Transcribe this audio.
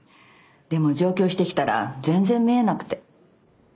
でも上京してきたら全然見えなくて。